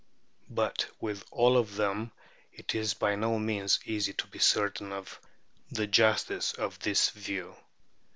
But with all of them it is by no means easy to be certain of the justice of this view.